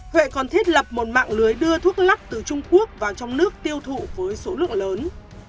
huệ còn thiết lập một mạng lưới đưa thuốc lắc từ trung quốc vào trong nước tiêu thụ với số lượng lớn